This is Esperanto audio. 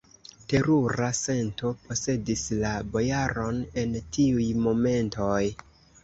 Terura sento posedis la bojaron en tiuj momentoj!